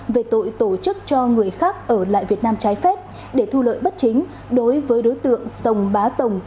về tội tổ chức cho người khác ở lại việt nam trái phép để thu lợi bất chính đối với đối tượng sông bá tồng